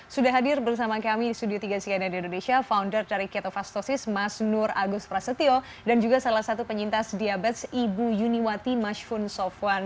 sudah hadir bersama kami di studio tiga cnn indonesia founder dari ketofastosis mas nur agus prasetyo dan juga salah satu penyintas diabetes ibu yuniwati mashfun sofwan